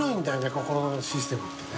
心のシステムってね。